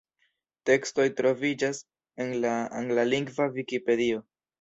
Tekstoj troviĝas en la anglalingva Vikipedio.